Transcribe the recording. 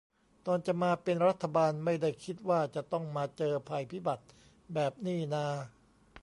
ตอนจะมาเป็นรัฐบาลไม่ได้คิดว่าจะต้องมาเจอภัยพิบัติแบบนี่นา